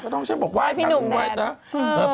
ก็ต้องฉันบอกไหว้ทางคุณแม่นะ